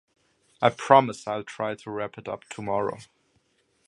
I promise I’ll try to wrap it up tomorrow.